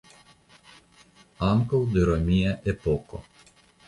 Ankaŭ de romia epoko.